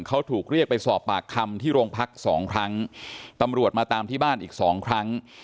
เขาถูกเรียกไปสอบปากคำที่โรงพักสองครั้งตำรวจมาตามที่บ้านอีกสองครั้ง